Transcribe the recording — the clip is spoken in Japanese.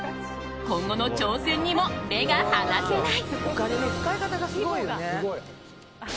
今後の挑戦にも目が離せない。